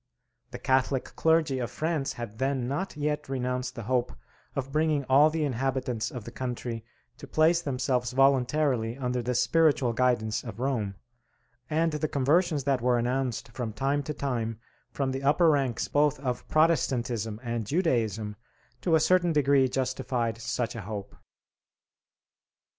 The Catholic clergy of France had then not yet renounced the hope of bringing all the inhabitants of the country to place themselves voluntarily under the spiritual guidance of Rome; and the conversions that were announced from time to time from the upper ranks both of Protestantism and Judaism to a certain degree justified such a hope.